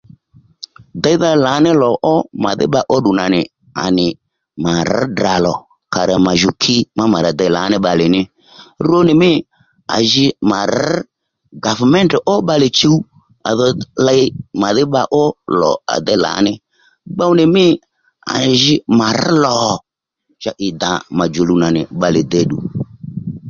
Déydha lǎní lò ó màdhí bba óddù nà nì mà rř Ddrà lò kà rà mà jùw ki mà rà dey lǎní bbalè ní rwo nì mî à ji mà rř gàvméntè ó bbalè chuw à dho ley màdhí bba ó lò à déy lǎní gbow nì mî à ji mà rř lò cha ì dà mà djòluw nì bbalè děddù